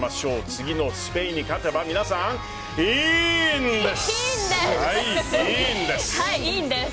次のスペインに勝てば皆さん、いいんです！